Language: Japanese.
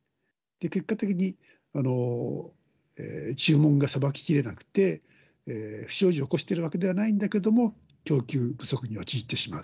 結果的に注文がさばききれなくて、不祥事を起こしてるわけではないんだけども、供給不足に陥ってしまう。